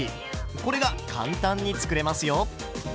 これが簡単に作れますよ。